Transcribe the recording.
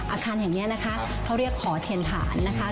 อาคารแห่งนี้นะคะเขาเรียกขอเทียนฐานนะคะ